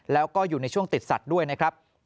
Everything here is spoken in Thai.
แล้วก็อยู่ในช่วงติดสัตว์ด้วยนะครับ